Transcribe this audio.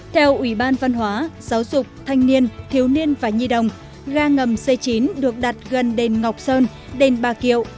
theo ủy ban văn hóa giáo dục thanh niên thiếu niên và nhi đồng ga ngầm c chín được đặt gần đền ngọc sơn đền ba kiệu